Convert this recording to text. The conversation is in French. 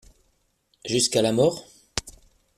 Jusqu'à la mort?